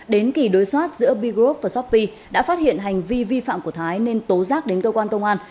đến kỳ đối soát giữa b group và shopee đã phát hiện hành vi vi phạm của thái nên tố giác đến cơ quan công an